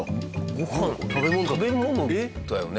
ごはん食べ物だよね？